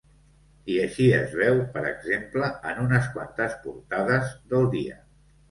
I així es veu, per exemple, en unes quantes portades del dia.